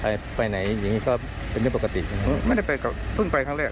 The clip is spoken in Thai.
ชายไปไหนอย่างนี้ก็เป็นแบบปกติไม่ได้ไปก็เพิ่งไปชั้นเลือก